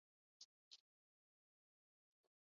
坟丘处也发现了和埴轮。